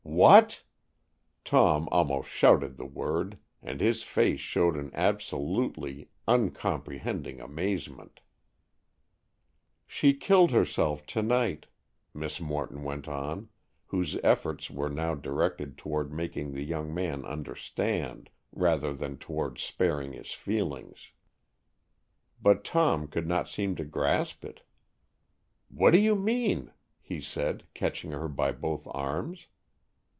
"What?" Tom almost shouted the word, and his face showed an absolutely uncomprehending amazement. "She killed herself to night," Miss Morton went on, whose efforts were now directed toward making the young man understand, rather than towards sparing his feelings. But Tom could not seem to grasp it. "What do you mean?" he said, catching her by both arms.